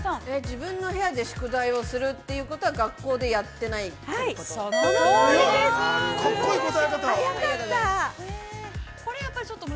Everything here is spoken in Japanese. ◆自分の部屋で宿題をするということは、学校でやってないということ。